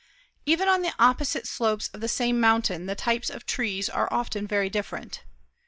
Even on the opposite slopes of the same mountain the types of trees are often very different.